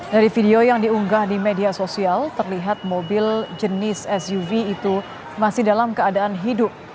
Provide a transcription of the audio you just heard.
dari video yang diunggah di media sosial terlihat mobil jenis suv itu masih dalam keadaan hidup